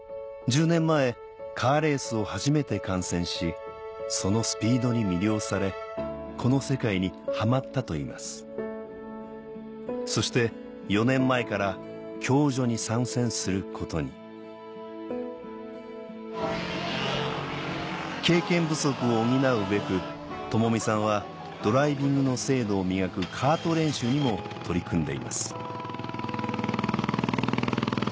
１０年前カーレースを初めて観戦しそのスピードに魅了されこの世界にハマったといいますそして４年前からＫＹＯＪＯに参戦することに経験不足を補うべく友美さんはドライビングの精度を磨くカート練習にも取り組んでいます